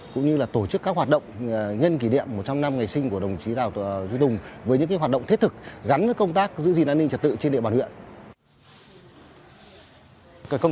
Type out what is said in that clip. cũng như là tổ chức các hoạt động nhân kỷ niệm một trăm linh năm ngày sinh của đồng chí đảo duy tùng với những hoạt động thiết thực gắn với công tác giữ gìn an ninh trật tự trên địa bàn huyện